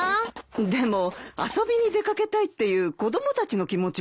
でも遊びに出掛けたいっていう子供たちの気持ちも分かるしね。